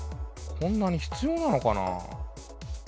こんなに必要なのかな？